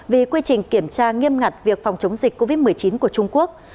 vì quy trình kiểm tra nghiêm ngặt việc phòng chống dịch covid một mươi chín của trung quốc